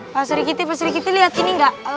pak serikiti pak serikiti lihat ini enggak